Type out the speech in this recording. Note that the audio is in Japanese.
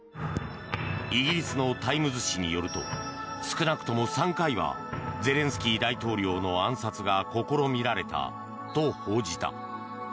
イギリスのタイムズ紙によると少なくとも３回はゼレンスキー大統領の暗殺が試みられたと報じた。